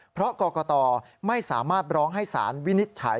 เพราะกรกตไม่สามารถร้องให้สารวินิจฉัย